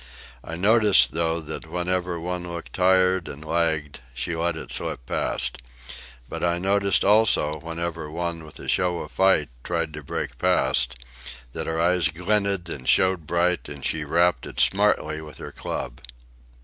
I noticed, though, that whenever one looked tired and lagged, she let it slip past. But I noticed, also, whenever one, with a show of fight, tried to break past, that her eyes glinted and showed bright, and she rapped it smartly with her club.